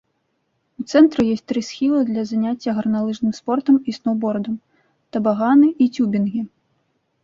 У цэнтры ёсць тры схілы для заняцця гарналыжным спортам і сноўбордам, табаганы і цюбінгі.